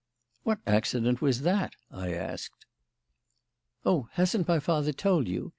"What accident was that?" I asked. "Oh, hasn't my father told you?